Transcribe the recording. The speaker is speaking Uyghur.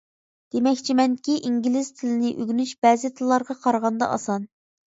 دېمەكچىمەنكى ئىنگلىز تىلىنى ئۆگىنىش بەزى تىللارغا قارىغاندا ئاسان.